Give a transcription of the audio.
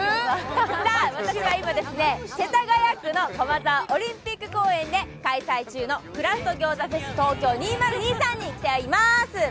さあ、私は今、世田谷区の駒沢オリンピック公園で開催中のクラフト餃子フェス２０２３に来ています。